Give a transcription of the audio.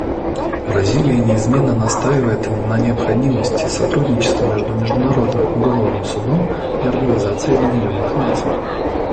Бразилия неизменно настаивает на необходимости сотрудничества между Международным уголовным судом и Организацией Объединенных Наций.